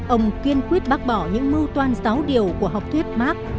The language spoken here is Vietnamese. ông kiên quyết bác bỏ những mưu toan giáo điều của học thuyết mark